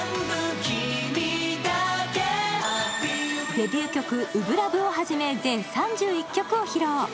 デビュー曲「初心ＬＯＶＥ」をはじめ、全３１曲を披露。